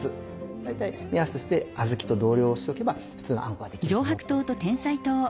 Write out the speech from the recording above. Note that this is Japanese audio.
大体目安として小豆と同量にしておけば普通のあんこができると思っといてくれれば。